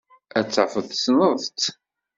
Ad tafeḍ tessneḍ-tt.